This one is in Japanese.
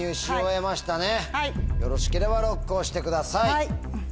よろしければＬＯＣＫを押してください。